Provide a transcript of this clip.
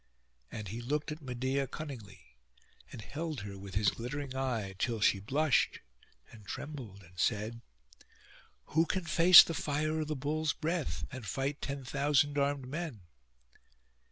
And he looked at Medeia cunningly, and held her with his glittering eye, till she blushed and trembled, and said— 'Who can face the fire of the bulls' breath, and fight ten thousand armed men?